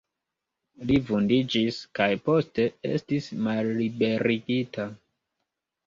Li vundiĝis kaj poste estis malliberigita.